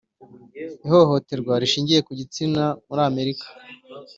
ihohoterwa rishingiye ku gitsina muri amerika